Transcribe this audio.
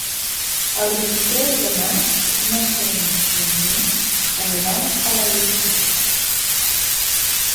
El vint-i-tres de maig na Xènia i en Nil aniran a la biblioteca.